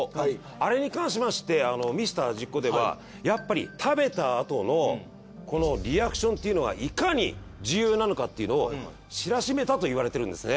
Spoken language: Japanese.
あれに関しまして『ミスター味っ子』ではやっぱり食べたあとのこのリアクションというのがいかに重要なのかっていうのを知らしめたといわれてるんですね。